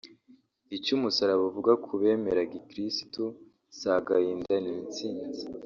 icyo umusaraba uvuga ku bemera gikirisitu si agahinda ni intsinzi